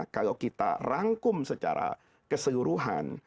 kalau kita rangkum secara keseluruhan